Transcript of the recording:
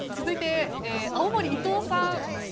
続いて青森伊藤さん。